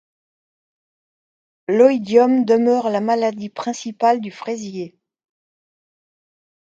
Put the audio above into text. L'oïdium demeure la maladie principale du fraisier.